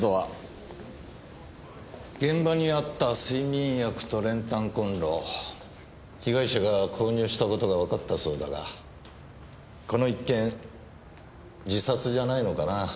現場にあった睡眠薬と練炭コンロ被害者が購入した事がわかったそうだがこの一件自殺じゃないのかなぁ？